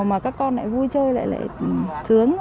mà các con lại vui chơi lại lại sướng